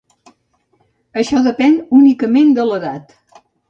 Això depèn únicament de l'edat.